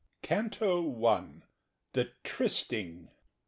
CANTO I. The Trystyng.